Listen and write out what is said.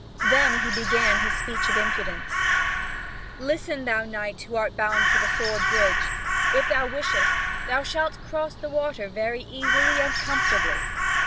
Then he began his speech of impudence: "Listen, thou knight, who art bound for the sword bridge! If thou wishest, thou shalt cross the water very easily and comfortably.